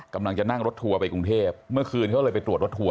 กำลังจะนั่งรถทัวร์ไปกรุงเทพเมื่อคืนเขาเลยไปตรวจรถทัว